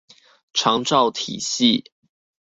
長照體系